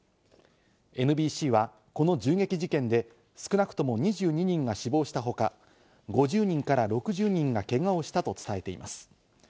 ＮＢＣはこの銃撃事件で少なくとも２２人が死亡した他、５０人から６０人がけがをしたと伝えています。